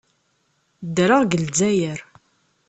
Ddreɣ deg Lezzayer.